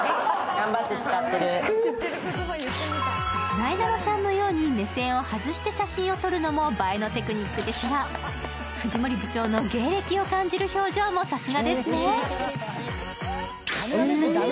なえなのちゃんのように目線を外して写真を撮るのも映えのテクニックですが、藤森部長の芸歴を感じる表情もさすがですね。